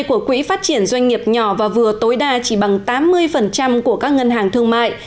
của quỹ phát triển doanh nghiệp nhỏ và vừa tối đa chỉ bằng tám mươi của các ngân hàng thương mại